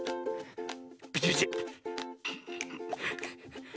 ビチビチ。